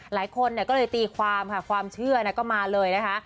หลายคนก็เลยตีความค่ะความเชื่อก็มาเลยนะคะ